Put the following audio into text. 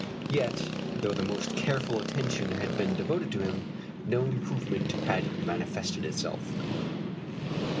Yet, though the most careful attention had been devoted to him, no improvement had manifested itself.